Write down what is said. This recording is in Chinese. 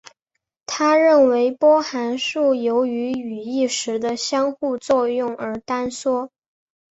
他认为波函数由于与意识的相互作用而坍缩。